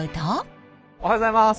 おはようございます。